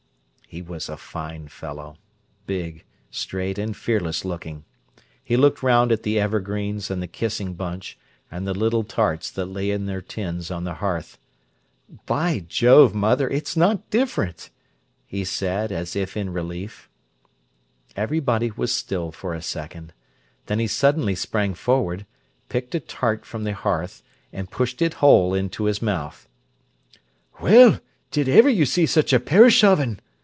He was a fine fellow, big, straight, and fearless looking. He looked round at the evergreens and the kissing bunch, and the little tarts that lay in their tins on the hearth. "By jove! mother, it's not different!" he said, as if in relief. Everybody was still for a second. Then he suddenly sprang forward, picked a tart from the hearth, and pushed it whole into his mouth. "Well, did iver you see such a parish oven!"